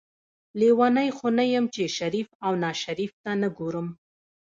لیونۍ خو نه یم چې شریف او ناشریف ته نه ګورم.